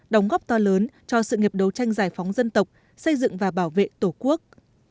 đóng góp to lớn cho sự nghiệp đấu tranh giải phóng dân tộc xây dựng và bảo vệ tổ quốc